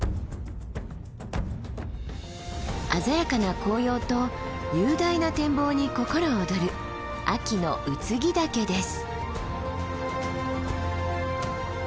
鮮やかな紅葉と雄大な展望に心躍る秋の空木岳です。